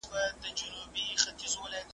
مسافرینو ته کوم واکسینونه ورکول کیږي؟